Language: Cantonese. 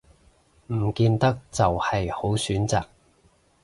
唔見得就係好選擇